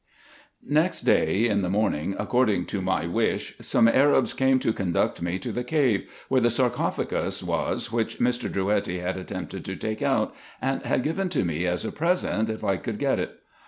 Next day, in the morning, according to my wish, some Arabs came to conduct me to the cave, where the sarcophagus was which Mr. Drouetti had attempted to take out, and had given to me as a present, if I could get it.